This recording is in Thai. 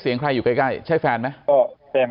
ใครอยู่ใกล้ใช่แฟนไหม